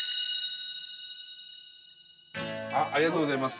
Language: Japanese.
ありがとうございます。